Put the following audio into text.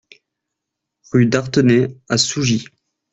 Rue d'Artenay à Sougy